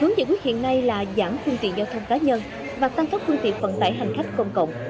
hướng giải quyết hiện nay là giảm khung tiện giao thông cá nhân và tăng cấp khung tiện phần tải hành khách công cộng